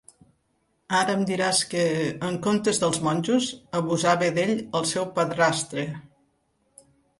Ara em diràs que, en comptes dels monjos, abusava d'ell el seu padrastre!